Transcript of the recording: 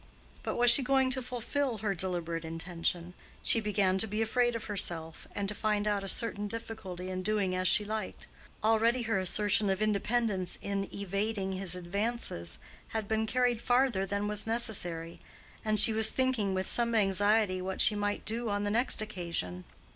But was she going to fulfill her deliberate intention? She began to be afraid of herself, and to find out a certain difficulty in doing as she liked. Already her assertion of independence in evading his advances had been carried farther than was necessary, and she was thinking with some anxiety what she might do on the next occasion.